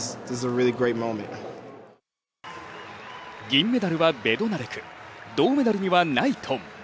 銀メダルはベドナレク銅メダルにはナイトン。